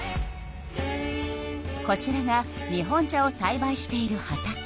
こちらが日本茶をさいばいしている畑。